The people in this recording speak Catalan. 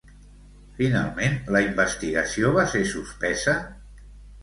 Finalment, la investigació va ser suspesa?